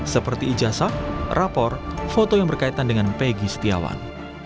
seperti ijasa rapor foto yang berkaitan dengan pegi setiawan